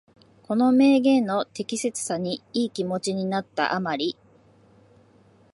この名言の適切さにいい気持ちになった余り、